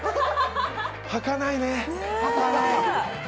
はかないね。